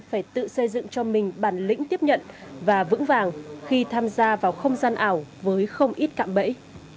phải tự xây dựng cho mình bản lĩnh tiếp nhận và vững vàng khi tham gia vào không gian ảo với không ít cạm bẫy